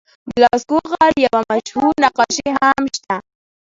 د لاسکو غار یوه مشهور نقاشي هم شته.